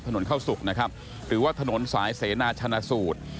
เข้าสุกนะครับหรือว่าถนนสายเสนาชนะสูตร